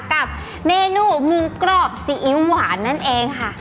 กับเมนูหมูกรอบซีอิ๊วหวานนั่นเองค่ะ